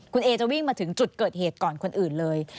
คุณเอจะวิ่งมาถึงจุดเกิดเหตุก่อนคนอื่นเลย